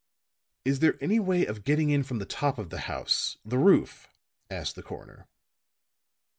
"Is there any way of getting in from the top of the house the roof?" asked the coroner.